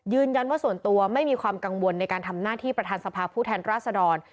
ส่วนตัวไม่มีความกังวลในการทำหน้าที่ประธานสภาพผู้แทนราษดร